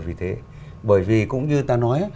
vì thế bởi vì cũng như ta nói